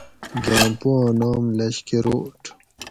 گان پوآں نام لشکروٹ